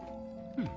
うん。